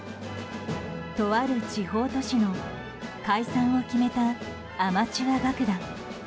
とある地方都市の解散を決めたアマチュア楽団。